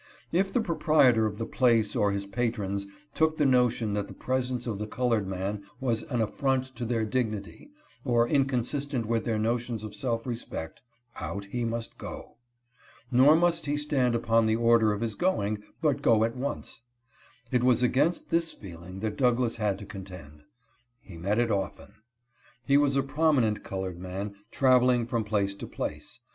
If the proprietor of the place or his patrons took the notion that the presence of the colored man was an affront to their dignity or inconsistent with their notions of self respect, out he must go. Nor must he stand upon the order of his going, but go at once. It was against this feeling that Douglass had to contend. He met it often. He was a prominent colored man traveling from place to place.